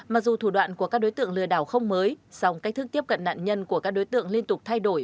mặc dù thủ đoạn của các đối tượng lừa đảo không mới song cách thức tiếp cận nạn nhân của các đối tượng liên tục thay đổi